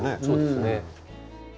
そうですね。